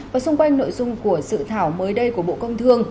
và xung quanh nội dung của sự thảo mới đây của bộ công thương